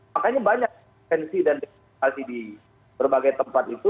makanya banyak pensi dan diberi di berbagai tempat itu